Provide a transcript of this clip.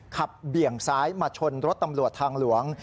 เบี่ยงซ้ายมาชนรถตำรวจทางหลวง